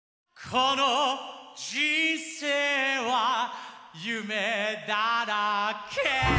「この人生は夢だらけ」